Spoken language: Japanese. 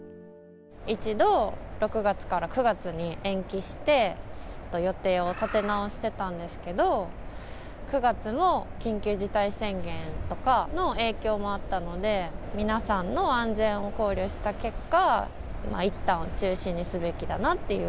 一度６月から９月に延期して、予定を立て直してたんですけど、９月も緊急事態宣言とかの影響もあったので、皆さんの安全を考慮した結果、いったん中止にすべきだなっていう。